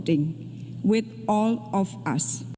dengan kita semua